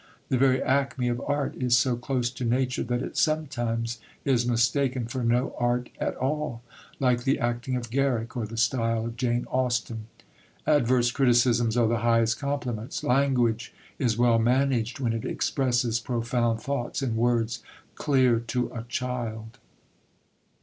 The very acme of Art is so close to nature that it sometimes is mistaken for no art at all, like the acting of Garrick or the style of Jane Austen. Adverse criticisms are the highest compliments. Language is well managed when it expresses profound thoughts in words clear to a child.